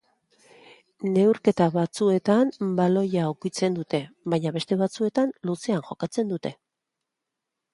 Neurketa batzuetan baloia ukitzen dute, baina beste batzuetan luzean jokatzen dute.